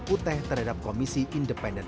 kuteh terhadap komisi independenca com